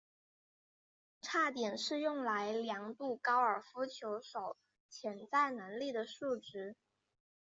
差点是用来量度高尔夫球手潜在能力的数值。